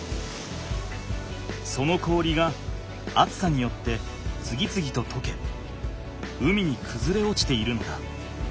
その氷が暑さによって次々ととけ海にくずれおちているんだ。